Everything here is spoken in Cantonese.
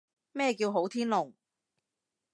咩叫好天龍？